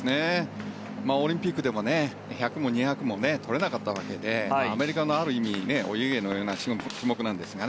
オリンピックでも１００も２００もとれなかったわけでアメリカの、ある意味お家芸のような種目なんですが。